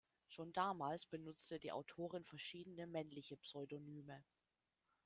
Schon damals benutzte die Autorin verschiedene männliche Pseudonyme.